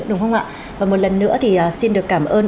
đúng không ạ và một lần nữa thì xin được cảm ơn